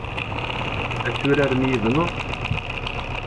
Ad turarem yid-neɣ?